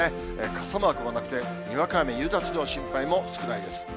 傘マークはなくて、にわか雨、夕立の心配も少ないです。